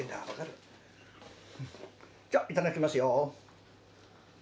じゃあいただきますよ。